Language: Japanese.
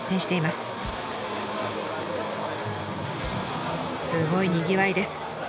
すごいにぎわいです！